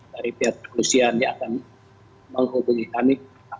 dari pihak kepolisian yang akan menghubungi kami